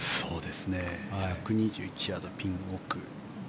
１２１ヤード、ピン奥。